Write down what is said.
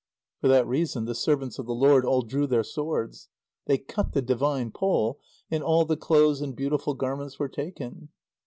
For that reason the servants of the lord all drew their swords. They cut the divine pole, and all the clothes and beautiful garments were taken.